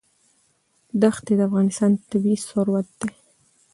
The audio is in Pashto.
ښتې د افغانستان طبعي ثروت دی.